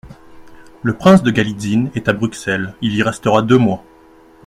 Le prince de Galitzin est à Bruxelles ; il y restera deux mois.